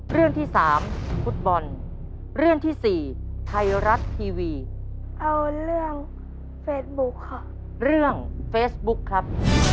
เล่นเฟสบุ๊คมั้ยครับ